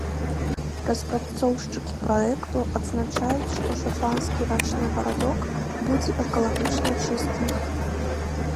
Распрацоўшчыкі праекту адзначаюць, што шатландскі рачны гарадок будзе экалагічна чыстым.